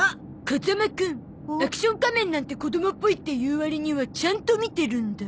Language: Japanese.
風間くん『アクション仮面』なんて子供っぽいって言うわりにはちゃんと見てるんだ。